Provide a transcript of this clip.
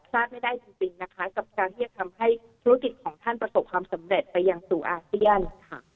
ทราบไม่ได้จริงนะคะกับการที่จะทำให้ธุรกิจของท่านประสบความสำเร็จไปยังสู่อาเซียนค่ะ